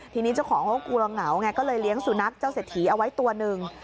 ทีนี้เจ้าของเขาก็กลัวเหงาไงก็เลยเลี้ยงสุนัขเจ้าเศรษฐีเอาไว้ตัวหนึ่ง